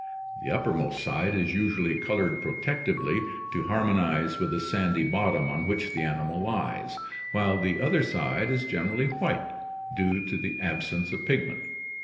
The uppermost side is usually colored protec tively to harmonize with the sandy bottom on which the animal lies, while the other side is generally white due to absence of pig ment.